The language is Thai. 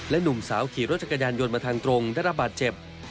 ได้รับบาดเจ็บ